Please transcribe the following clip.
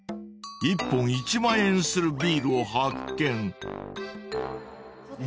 ［１本１万円するビールを発見］